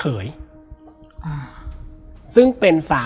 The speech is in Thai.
แล้วสักครั้งหนึ่งเขารู้สึกอึดอัดที่หน้าอก